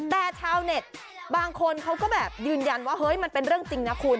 แต่ชาวเน็ตบางคนเขาก็แบบยืนยันว่าเฮ้ยมันเป็นเรื่องจริงนะคุณ